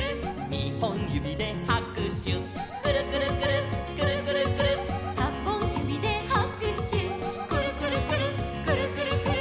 「にほんゆびではくしゅ」「くるくるくるっくるくるくるっ」「さんぼんゆびではくしゅ」「くるくるくるっくるくるくるっ」